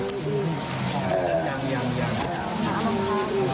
สวัสดีครับทุกคน